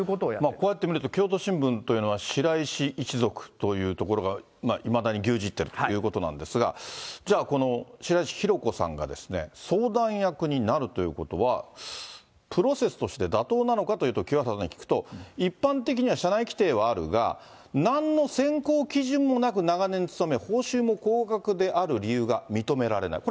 こうやって見ると、京都新聞というのは白石一族というのがいまだに牛耳っているということなんですが、じゃあこの、白石浩子さんが相談役になるということは、プロセスとして妥当なのかというと、清原氏に聞くと一般的には社内規定はあるが、なんの選考基準もなく長年勤め、報酬も高額である理由が認められない。